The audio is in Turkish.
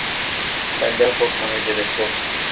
Benden korkmana gerek yok.